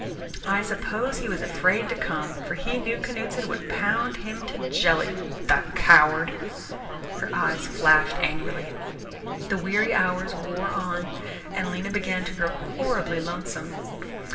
I suppose he was afraid to come, for he knew Canuteson could pound him to jelly, the coward!" Her eyes flashed angrily. The weary hours wore on and Lena began to grow horribly lonesome.